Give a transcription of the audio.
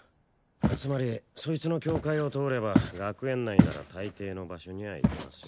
つまりそいつの境界を通れば学園内なら大抵の場所には行けますよ